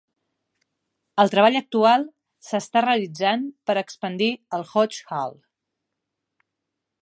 El treball actual s'està realitzant per expandir el Hodge Hall.